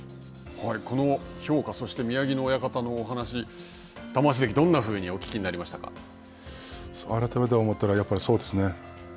この評価、そして宮城野親方のお話、玉鷲関、どんなふうにお聞改めて思ったらやっぱりそうですね。